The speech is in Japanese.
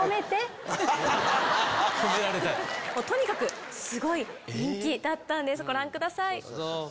とにかくすごい人気だったんですご覧ください。